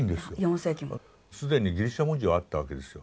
既にギリシャ文字はあったわけですよ。